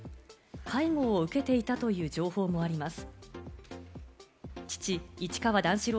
介護を受けていたという情報もあります。